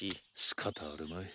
しかたあるまい。